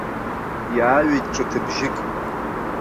Иааҩит ҿыҭыбжьык.